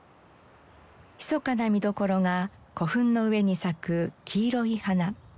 ひそかな見どころが古墳の上に咲く黄色い花。